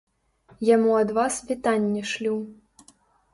Яму ад вас вітанне шлю.